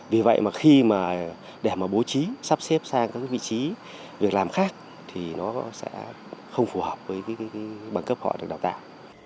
vì vậy mà khi mà để mà bố trí sắp xếp sang các vị trí việc làm khác thì nó sẽ không phù hợp với bằng cấp họ được đào tạo